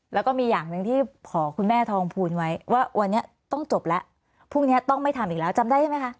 แล้วก็มีอย่างหนึ่งที่ขอคุณแม่ทองภูลไว้ว่าวันนี้ต้องจบแล้วพรุ่งนี้ต้องไม่ทำอีกแล้วจำได้ใช่ไหมคะ